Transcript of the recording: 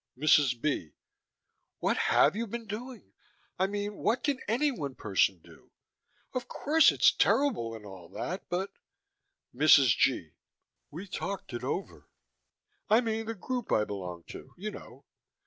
MRS. B.: What have you been doing? I mean, what can any one person do? Of course it's terrible and all that, but MRS. G.: We talked it over. I mean the group I belong to, you know.